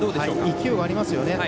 勢い、ありますね。